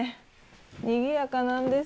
にぎやかなんです。